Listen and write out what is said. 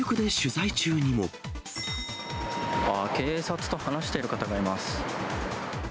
ああ、警察と話している方がいます。